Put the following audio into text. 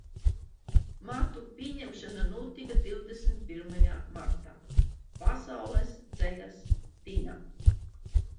Matu pieņemšana notika divdesmit pirmajā martā, Pasaules Dzejas dienā.